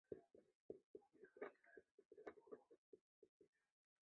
该战斗发生地点则是在中国赣南一带。